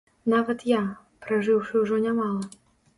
Нават я, пражыўшы ўжо нямала.